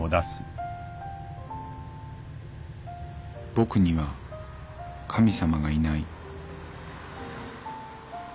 「僕には神様がいない」